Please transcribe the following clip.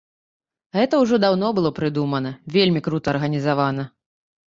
Гэта ўжо даўно было прыдумана, вельмі крута арганізавана.